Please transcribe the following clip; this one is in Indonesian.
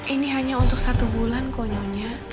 ini hanya untuk satu bulan kok nyonya